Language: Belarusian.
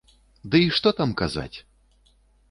Дый што там казаць!